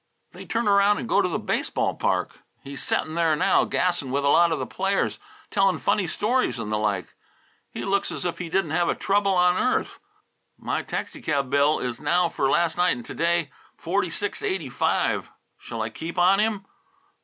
They turn around and go to the baseball park. He's setting there now, gassing with a lot of the players, telling funny stories and the like. He looks as if he didn't have a trouble on earth. My taxi cab bill is now, for last night and to day, forty six eighty five. Shall I keep on him?"